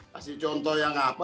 kasih contoh yang apa